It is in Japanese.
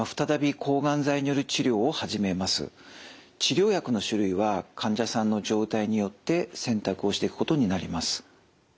治療薬の種類は患者さんの状態によって選択をしていくことになります。